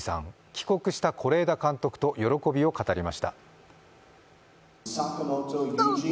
帰国した是枝監督と喜びを語りました。